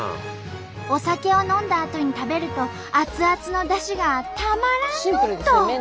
お酒を飲んだあとに食べると熱々のだしがたまらんのんと！